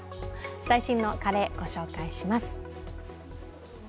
最新のカレー、ご紹介します。